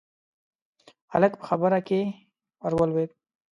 هلک په خبره کې ورولوېد: